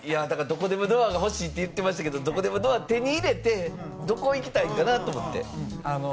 どこでもドアが欲しいって言ってましたけどどこでもドアを手に入れてどこ行きたいのかなって思って。